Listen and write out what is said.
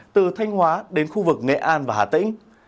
từ thanh hóa đến khu vực nghệ an và hà tĩnh